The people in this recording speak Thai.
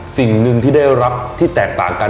สิ่งหนึ่งที่ได้รับที่แตกต่างกัน